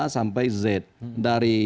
sampai z dari